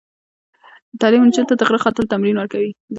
تعلیم نجونو ته د غره ختلو تمرین ورکوي.